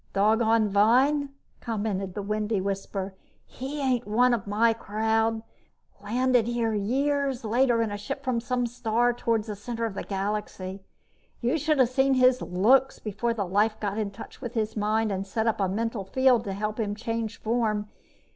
"Doggone vine!" commented the windy whisper. "He ain't one of my crowd. Landed years later in a ship from some star towards the center of the galaxy. You should have seen his looks before the Life got in touch with his mind and set up a mental field to help him change form.